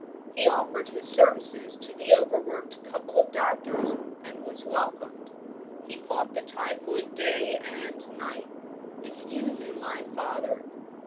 He offered his services to the overworked couple of doctors and was welcomed. He fought the typhoid day and night if you knew my father!